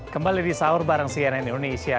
kembali di sahur bareng cnn indonesia